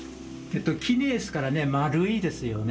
木ですからね丸いですよね。